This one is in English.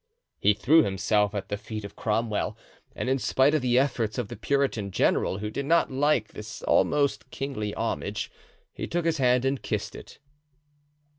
He threw himself at the feet of Cromwell, and in spite of the efforts of the Puritan general, who did not like this almost kingly homage, he took his hand and kissed it.